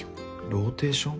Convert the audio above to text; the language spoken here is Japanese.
ローテーション？